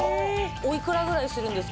おいくらぐらいするんですか？